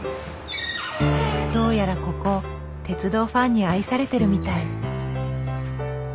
どうやらここ鉄道ファンに愛されてるみたい。